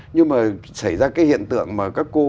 nhưng mà xảy ra cái hiện tượng mà các cô